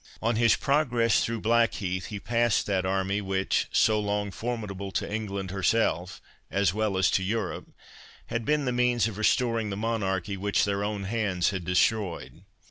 On his progress through Blackheath, he passed that army which, so long formidable to England herself, as well as to Europe, had been the means of restoring the Monarchy which their own hands had destroyed.